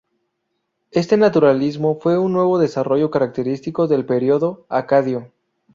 Este naturalismo fue un nuevo desarrollo característico del período acadio.